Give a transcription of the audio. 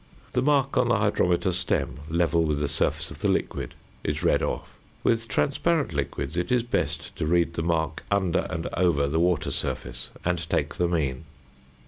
The mark on the hydrometer stem, level with the surface of the liquid, is read off. With transparent liquids it is best to read the mark under and over the water surface and take the mean.